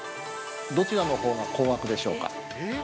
どちらのほうが高額でしょうか。